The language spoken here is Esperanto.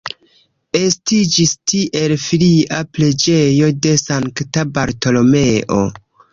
Estiĝis tiel filia preĝejo de sankta Bartolomeo.